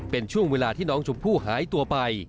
เป็นช่วงเวลาที่น้องชมพู่หายตัวไป